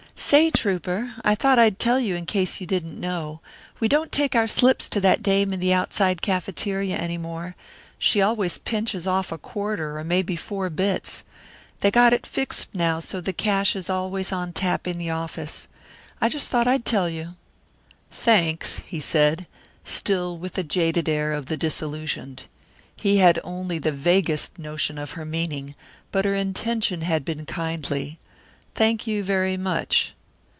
"Say, trouper, I thought I'd tell you in case you didn't know we don't take our slips to that dame in that outside cafeteria any more. She always pinches off a quarter or may be four bits. They got it fixed now so the cash is always on tap in the office. I just thought I'd tell you." "Thanks," he said, still with the jaded air of the disillusioned. He had only the vaguest notion of her meaning, but her intention had been kindly. "Thank you very much."